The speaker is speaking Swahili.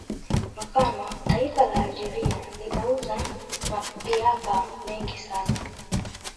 Mfano taifa la Algeria linauza mapiapa mengi sana